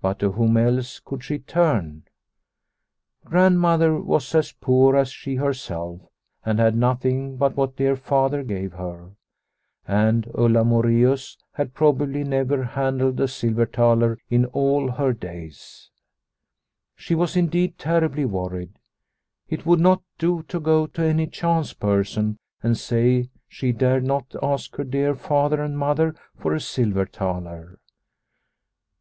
But to whom else could she turn ? Grand mother was as poor as she herself and had nothing but what dear Father gave her. And Ulla Moreus had probably never handled a silver thaler in all his days. She was indeed terribly worried. It would not do to go to any chance person and say she dared not ask dear Father and Mother for a silver thaler.